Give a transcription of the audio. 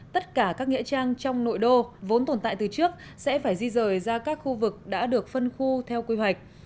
tất cả các nghĩa trang trong nội đô vốn tồn tại từ trước sẽ phải di rời ra các khu vực đã được phân khu theo quy hoạch